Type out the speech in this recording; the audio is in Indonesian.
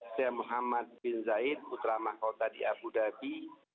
saya muhammad bin zaid putra mahkota di abu dhabi